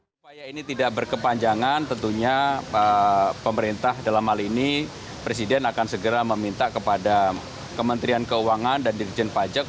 supaya ini tidak berkepanjangan tentunya pemerintah dalam hal ini presiden akan segera meminta kepada kementerian keuangan dan dirjen pajak